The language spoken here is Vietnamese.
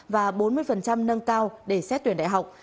và bốn mươi nâng cao để xét tuyển đại học